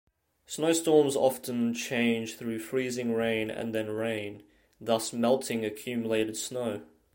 Snowstorms often change through freezing rain and then rain, thus melting accumulated snow.